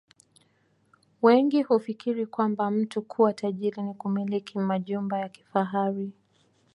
Wengi hufikiri kwamba mtu kuwa tajiri ni kumiliki majumba ya kifahari